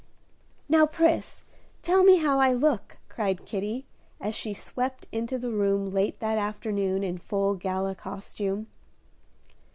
"Now, Pris, tell me how I look," cried Kitty, as she swept into the room late that afternoon in full gala costume.